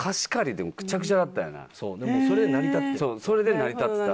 そうでもそれで成り立ってた。